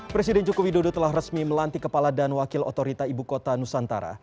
presiden joko widodo telah resmi melantik kepala dan wakil otorita ibu kota nusantara